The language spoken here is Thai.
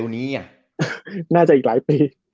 น่าจะอีกหลายปี